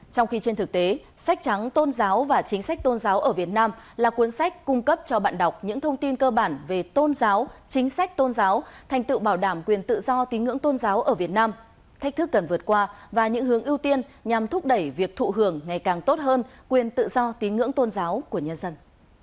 trong khi trên thực tế sách trắng tôn giáo và chính sách tôn giáo ở việt nam là cuốn sách cung cấp cho bạn đọc những thông tin cơ bản về tôn giáo chính sách tôn giáo thành tựu bảo đảm quyền tự do tín ngưỡng tôn giáo ở việt nam thách thức cần vượt qua và những hướng ưu tiên nhằm thúc đẩy việc thụ hưởng ngày càng tốt hơn quyền tự do tín ngưỡng tôn giáo của nhân dân